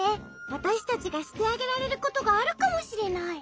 わたしたちがしてあげられることがあるかもしれない。